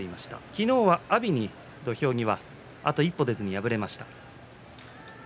昨日は阿炎に、土俵際あと一歩で敗れました。